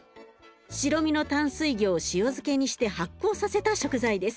白身の淡水魚を塩漬けにして発酵させた食材です。